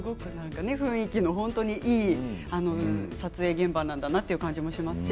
雰囲気のいい撮影現場なんだなという感じがします。